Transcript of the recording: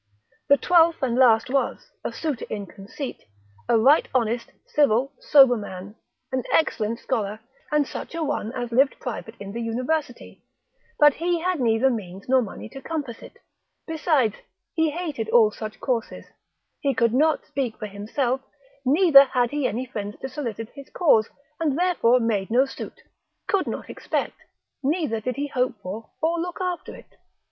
The twelfth and last was (a suitor in conceit) a right honest, civil, sober man, an excellent scholar, and such a one as lived private in the university, but he had neither means nor money to compass it; besides he hated all such courses, he could not speak for himself, neither had he any friends to solicit his cause, and therefore made no suit, could not expect, neither did he hope for, or look after it.